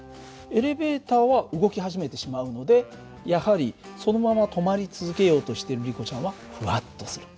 エレベーターは動き始めてしまうのでやはりそのまま止まり続けようとしてるリコちゃんはふわっとする。